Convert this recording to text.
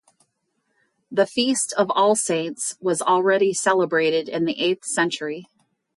The feast of All Saints was already celebrated in the eighth century.